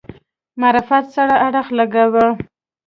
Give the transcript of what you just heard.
معرفت سره اړخ لګاوه.